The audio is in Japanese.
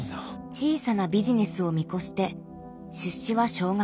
小さなビジネスを見越して出資は少額。